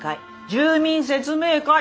住民説明会。